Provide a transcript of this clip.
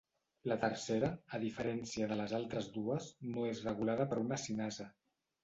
La tercera, a diferència de les altres dues, no és regulada per una cinasa.